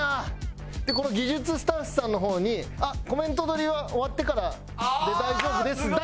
この技術スタッフさんの方に「コメント撮りは終わってからで大丈夫です」だけ言って。